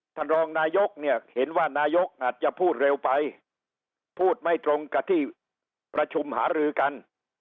ท่านรองนายกเนี่ยเห็นว่านายกอาจจะพูดเร็วไปพูดไม่ตรงกับที่ประชุมหารือกัน